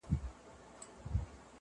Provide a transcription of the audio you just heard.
د ملا لوري نصيحت مه كوه .